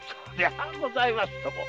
ございますとも。